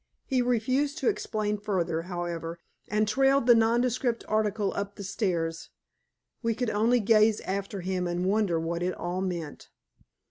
He refused to explain further, however, and trailed the nondescript article up the stairs. We could only gaze after him and wonder what it all meant.